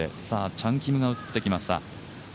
チャン・キムが映ってきました。